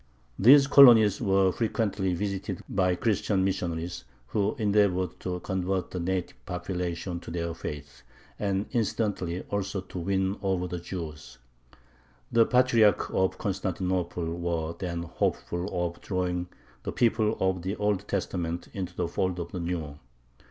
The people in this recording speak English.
These colonies were frequently visited by Christian missionaries, who endeavored to convert the native population to their faith, and incidentally also to win over the Jews. The Patriarchs of Constantinople were then hopeful of drawing the people of the Old Testament into the fold of the New.